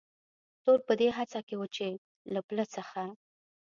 ټول په دې هڅه کې و، چې له پله څخه.